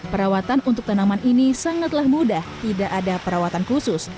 perawatan untuk tanaman ini sangatlah mudah tidak ada perawatan khusus